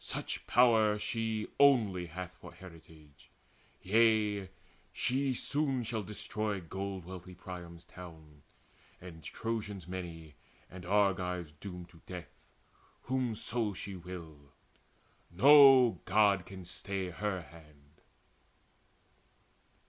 Such power She only hath for heritage. Yea, she Soon shall destroy gold wealthy Priam's town, And Trojans many and Argives doom to death, Whomso she will. No God can stay her hand."